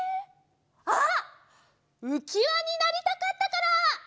あっうきわになりたかったから！